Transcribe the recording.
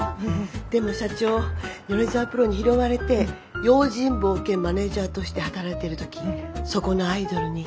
でも社長米沢プロに拾われて用心棒兼マネージャーとして働いてる時そこのアイドルに。